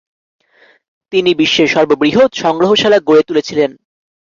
তিনি বিশ্বের সর্ববৃহৎ সংগ্রহশালা গড়ে তুলেছিলেন।